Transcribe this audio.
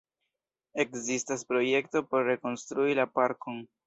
Ekzistas projekto por rekonstrui la parkon.